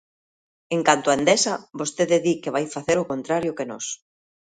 En canto a Endesa, vostede di que vai facer o contrario que nós.